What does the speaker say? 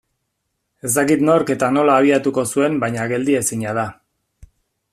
Ez dakit nork eta nola abiatuko zuen baina geldiezina da.